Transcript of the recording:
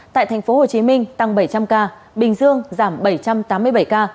tại tp hcm tăng bảy trăm linh ca bình dương giảm bảy trăm tám mươi bảy ca